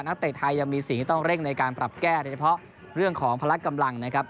เตะไทยยังมีสิ่งที่ต้องเร่งในการปรับแก้โดยเฉพาะเรื่องของพละกำลังนะครับ